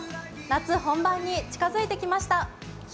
夏本番に近づいてきました。